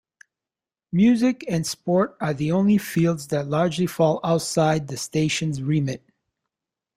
Music and sport are the only fields that largely fall outside the station's remit.